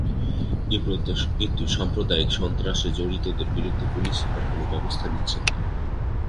কিন্তু সাম্প্রদায়িক সন্ত্রাসে জড়িতদের বিরুদ্ধে পুলিশ সুপার কোনো ব্যবস্থা নিচ্ছেন না।